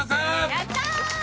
やったー！